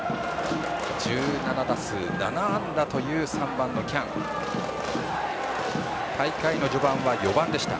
１７打数７安打という３番の喜屋武大会の序盤は４番でした。